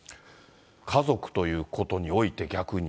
家族ということにおいて、逆に。